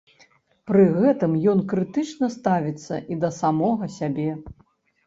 Пры гэтым ён крытычна ставіцца і да самога сябе.